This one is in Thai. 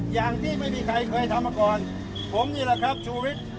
อย่างที่ไม่มีใครเคยทำมาก่อนผมนี่แหละครับชูวิทย์